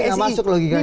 ini nggak masuk logikanya